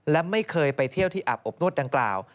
และไม่เคยไปเที่ยวที่อาบอบนวดดังกล่าว